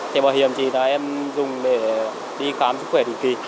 thẻ bảo hiểm thì là em dùng để đi khám sức khỏe định kỳ